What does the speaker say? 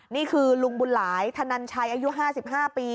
นี่คือลุงบุญหลายธนันชัยอายุ๕๕ปี